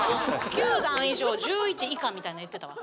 「９段以上１１以下」みたいなん言ってたわ。